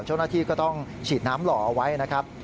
เจ้าหน้าที่ก็ต้องฉีดน้ำหล่อเอาไว้นะครับ